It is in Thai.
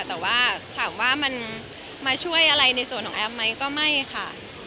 แต่ว่าถามว่ามันมาช่วยอะไรในส่วนของแอมไหมก็ไม่ค่ะ